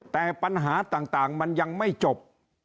แต่ปัญหาต่างมันยังไม่จบ